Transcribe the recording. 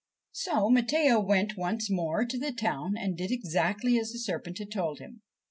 So Matteo went once more to the town and did exactly as the serpent had told him.